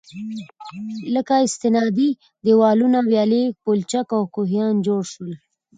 لكه: استنادي دېوالونه، ويالې، پولچك او كوهيان جوړ شول.